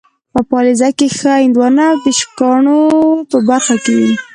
په پاليزه کې ښه هندوانه ، د شکاڼه په برخه وي.